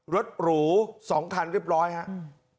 หรูสองคันเรียบร้อยครับ